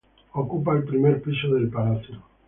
Ocupa el primer piso del palacio.